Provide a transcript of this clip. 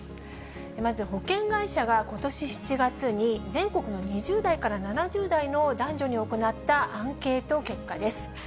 まず保険会社がことし７月に全国の２０代から７０代の男女に行ったアンケート結果です。